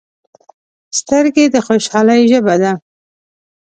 سترګې د خوشحالۍ ژبه ده